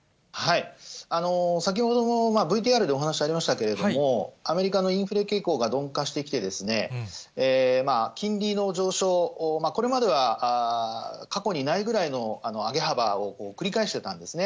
先ほどもＶＴＲでお話ありましたけれども、アメリカのインフレ傾向が鈍化してきて、金利の上昇、これまでは過去にないぐらいの上げ幅を繰り返してたんですね。